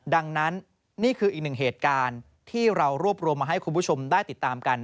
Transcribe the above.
ดังนั้นนี่คืออีกหนึ่งเหตุการณ์ที่เรารวบรวมมาให้คุณผู้ชมได้ติดตามกัน